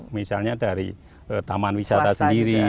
misalnya dari taman wisata sendiri